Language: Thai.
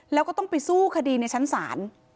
แล้วก็ต้องไปสู้คดีในชั้นศาล